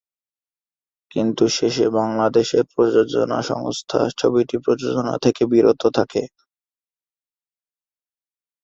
কিন্তু শেষে বাংলাদেশের প্রযোজনা সংস্থা ছবিটি প্রযোজনা থেকে বিরত থাকে।